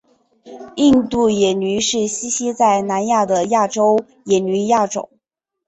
印度野驴是栖息在南亚的亚洲野驴亚种。